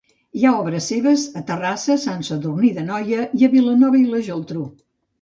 Hi ha obres seves a Terrassa, Sant Sadurní d'Anoia i a Vilanova i la Geltrú.